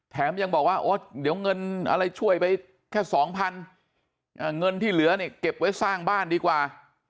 แถมยังบอกว่าโอ้เดี๋ยวเงินอะไรช่วยไปแค่สองพันเงินที่เหลือเนี่ยเก็บไว้สร้างบ้านดีกว่า